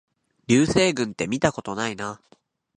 流星群ってみたことないな